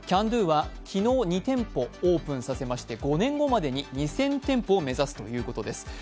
ＣａｎＤｏは昨日、２店舗オープンさせまして５年後までに２０００店舗を目指すということです。